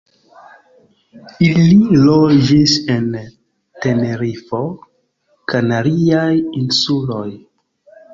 Ili loĝis en Tenerifo, Kanariaj insuloj.